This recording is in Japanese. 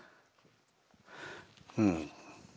うん。